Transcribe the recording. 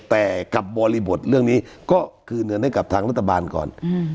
แต่กับบริบทเรื่องนี้ก็คืนเงินให้กับทางรัฐบาลก่อน